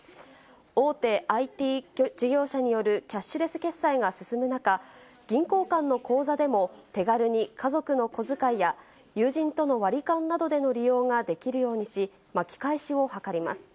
大手ＩＴ事業者によるキャッシュレス決済が進む中、銀行間の口座でも手軽に家族の小遣いや、友人との割り勘などでの利用ができるようにし、巻き返しを図ります。